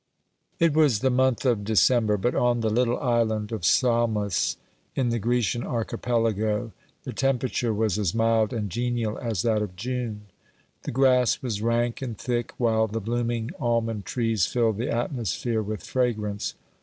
It was the month of December, but on the little Island of Salmis in the Grecian Archipelago the temperature was as mild and genial as that of June. The grass was rank and thick, while the blooming almond trees filled the atmosphere with fragrance.